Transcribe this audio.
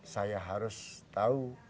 saya harus tahu